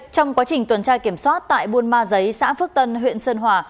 trong quá trình tuần tra kiểm soát tại buôn ma giấy xã phước tân huyện sơn hòa